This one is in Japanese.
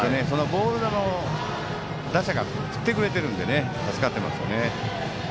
ボール球を打者が振ってくれているので助かっていますね。